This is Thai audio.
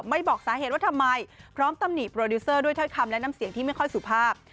บอกสาเหตุว่าทำไมพร้อมตำหนิโปรดิวเซอร์ด้วยถ้อยคำและน้ำเสียงที่ไม่ค่อยสุภาพ